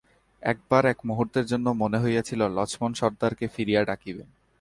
এক বার এক মুহূর্তের জন্য মনে হইয়াছিল লছমন সর্দারকে ফিরিয়া ডাকিবেন।